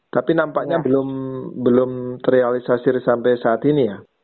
tapi nampaknya belum terrealisasi sampai saat ini ya